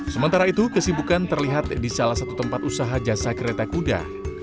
sementara itu kesibukan terlihat di salah satu tempat usaha jasa kereta kuda